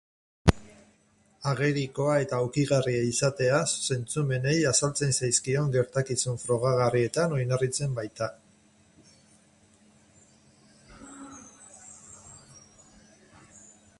Agerikoa eta ukigarria izatea, zentzumenei azaltzen zaizkion gertakizun frogagarrietan oinarritzen baita.